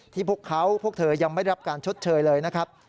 พวกเขาพวกเธอยังไม่ได้รับการชดเชยเลยนะครับ